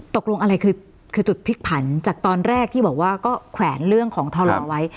ตกลงอะไรคือจุดพลิกผันจากตอนแรกที่บอกว่าก็แขวนเรื่องของทรลอไว้